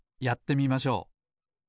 やってみましょう。